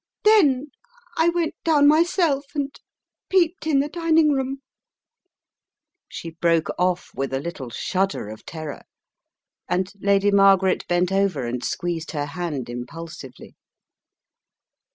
Then I went down myself and peeped in the dining room " She broke off with a little shudder of terror and Lady Margaret bent over and squeezed her hand impulsively.